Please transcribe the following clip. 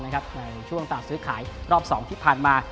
ในช่วงตลาดซื้อขายรอบ๒ที่ผ่านมา